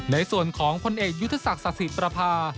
ในส่วนของพลเอกยุทธศักดิ์ศักดิ์ศรีประพา